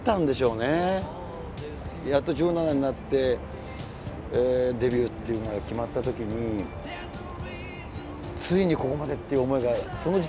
やっと１７になってデビューっていうのが決まったときに「ついにここまで」っていう思いがその時点ではあったと思うんですよね。